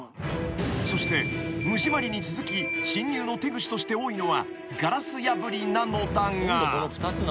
［そして無締まりに続き侵入の手口として多いのはガラス破りなのだが］